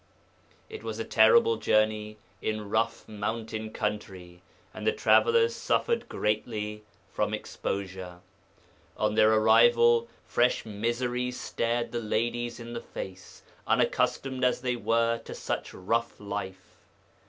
It was a terrible journey in rough mountain country and the travellers suffered greatly from exposure. On their arrival fresh misery stared the ladies in the face, unaccustomed as they were to such rough life.